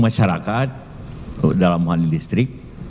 masyarakat untuk mobil ataupun industri